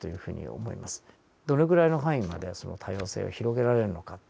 どれぐらいの範囲までその多様性を広げられるのか。